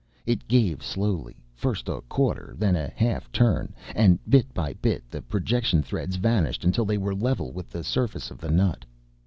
It gave slowly, first a quarter then a half turn. And bit by bit the projection threads vanished until they were level with the surface of the nut.